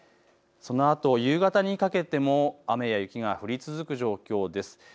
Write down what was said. そのあと夕方にかけても雨や雪が降り続く状況です。